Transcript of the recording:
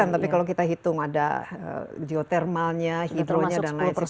tapi kalau kita hitung ada geotermalnya hidronya dan lain sebagainya